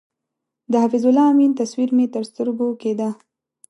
د حفیظ الله امین تصویر مې تر سترګو کېده.